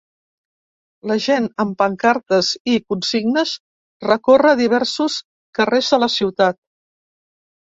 La gent, amb pancartes i consignes, recorre diversos carrers de la ciutat.